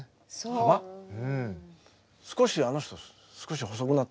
少しあの人少し細くなったよ。